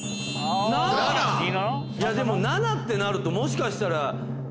７！でも７ってなるともしかしたら。